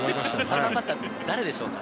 ３番バッター誰でしょうかね？